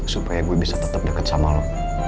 supaya gue bisa tetep deket sama lo